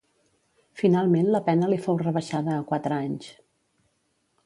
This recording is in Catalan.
Finalment la pena li fou rebaixada a quatre anys.